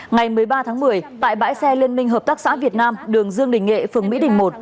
ngày một mươi ba tháng một mươi tại bãi xe liên minh hợp tác xã việt nam đường dương đình nghệ phường mỹ đình một